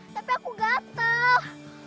tapi aku gatel